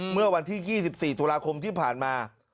เมื่อวันที่๒๔ตุลาคมที่ผ่านมา